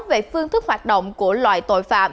về phương thức hoạt động của loại tội phạm